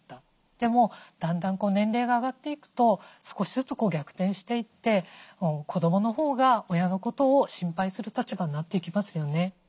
でもだんだん年齢が上がっていくと少しずつ逆転していって子どものほうが親のことを心配する立場になっていきますよね。